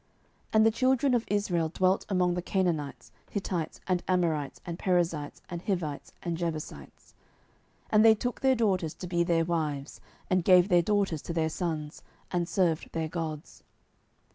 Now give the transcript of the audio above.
07:003:005 And the children of Israel dwelt among the Canaanites, Hittites, and Amorites, and Perizzites, and Hivites, and Jebusites: 07:003:006 And they took their daughters to be their wives, and gave their daughters to their sons, and served their gods.